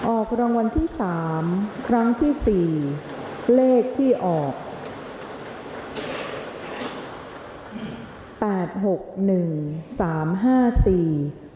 ออกรางวัลที่๓ครั้งที่๔เลขที่๖เลขที่๖